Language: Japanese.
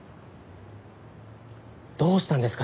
どうしたんですか？